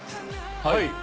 はい。